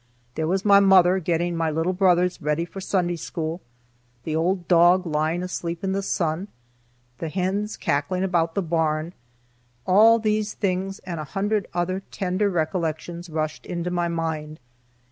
There was my mother getting my little brothers ready for Sunday school; the old dog lying asleep in the sun; the hens cackling about the barn; all these things and a hundred other tender recollections rushed into my mind.